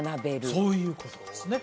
そういうことですね